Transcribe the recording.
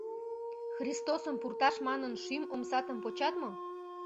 Христосым пурташ манын, шӱм омсатым почат мо?